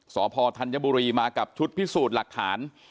สพธัญบุรีมากับชุดพิสูจน์หลักฐาน